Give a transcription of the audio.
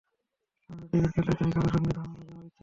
আমি শুধু ক্রিকেট খেলতেই চাই, কারও সঙ্গে ঝামেলায় যাওয়ার ইচ্ছে নেই।